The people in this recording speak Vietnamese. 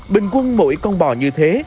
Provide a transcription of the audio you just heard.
bình quân mỗi con bò như thế